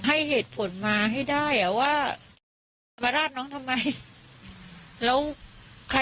ให้เหตุผลมาให้ได้ว่ามาราชน้องทำไมแล้วใครเป็นคนทำน้องแล้วก็น้องผิดอะไร